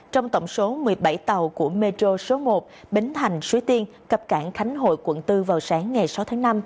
trong tổng số một mươi bảy tàu của metro số một bến thành suối tiên cập cảng khánh hội quận bốn vào sáng ngày sáu tháng năm